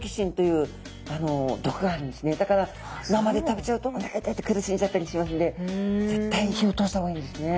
だから生で食べちゃうとおなか痛いって苦しんじゃったりしますんで絶対に火を通した方がいいんですね。